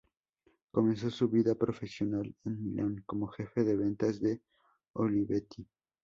Comenzó su vida profesional en Milán como jefe de ventas de Olivetti.